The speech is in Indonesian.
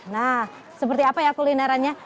nah seperti apa ya kulinerannya